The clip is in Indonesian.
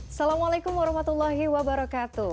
assalamualaikum warahmatullahi wabarakatuh